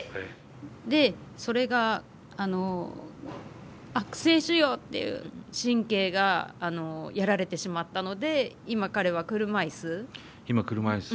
で、それが悪性腫瘍っていう神経がやられてしまったので今、彼は車いす。